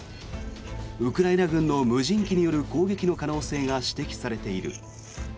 ウクライナ軍の無人機による攻撃の可能性が指摘されている。